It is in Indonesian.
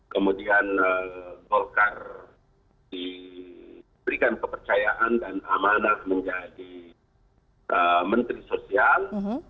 kemudian golkar diberikan kepercayaan dan amanah menjadi menteri sosial